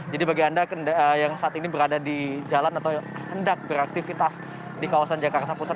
jadi bagi anda yang saat ini berada di jalan atau hendak beraktivitas di kawasan jakarta pusat